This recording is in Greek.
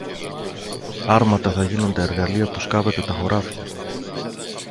Άρματα θα γίνουν τα εργαλεία που σκάβετε τα χωράφια!